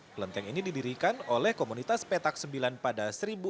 kelenteng ini didirikan oleh komunitas petak sembilan pada seribu enam ratus delapan puluh empat